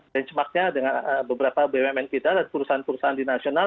benchmarknya dengan beberapa bumn kita dan perusahaan perusahaan di nasional